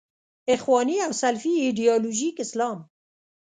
اخواني او سلفي ایدیالوژیک اسلام.